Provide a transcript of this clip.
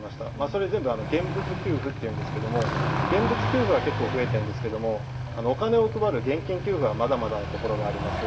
それ全部現物給付っていうんですけれども現物給付は結構増えてるんですけれどもお金を配る現金給付はまだまだなところがあります。